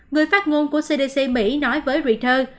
người phát ngôn của cdc mỹ nói với reuters